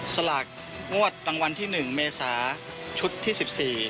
สลากงวดรางวัลที่๑เมษาชุดที่๑๔